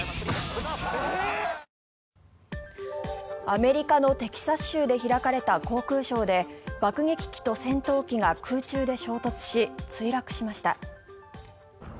アメリカのテキサス州で開かれた航空ショーで爆撃機と戦闘機が空中で衝突し墜落しました。